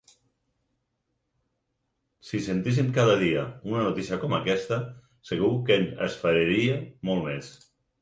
Si sentíssim cada dia una notícia com aquesta, segur que ens esfereiria molt més.